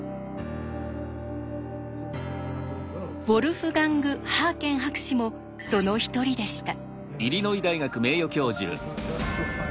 ウォルフガング・ハーケン博士もその一人でした。